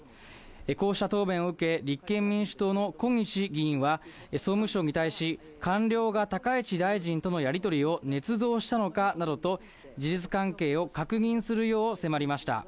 こうした答弁を受けて、立憲民主党の小西議員は、総務省に対し、官僚が高市大臣とのやり取りをねつ造したのかなどと、事実関係を確認するよう迫りました。